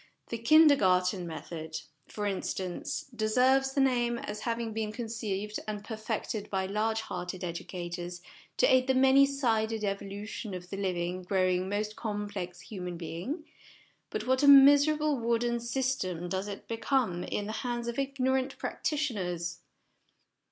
The Kindergarten SOME PRELIMINARY CONSIDERATIONS 9 Method, for instance, deserves the name, as having been conceived and perfected by large hearted edu cators to aid the many sided evolution of the living, growing, most complex human being ; but what a miserable wooden system does it become in the hands of ignorant practitioners